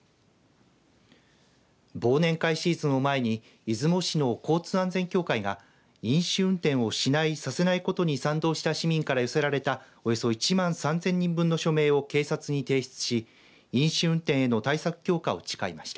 忘年会シーズンを前に出雲市の交通安全協会が飲酒運転をしないさせないことに賛同した市民から寄せられた、およそ１万３０００人分の署名を警察に提出し飲酒運転への対策強化を誓いました。